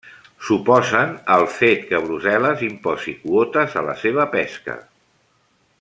S'oposen al fet que Brussel·les imposi quotes a la seva pesca.